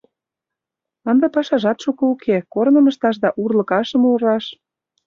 Ынде пашажат шуко уке: корным ышташ да урлыкашым ураш.